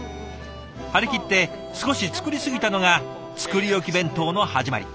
張り切って少し作り過ぎたのが作り置き弁当の始まり。